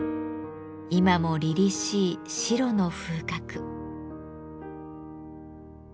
今もりりしい白の風格。